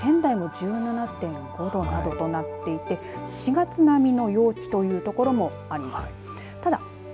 そして仙台も１７．５度などとなっていて４月並みの陽気という所もあります。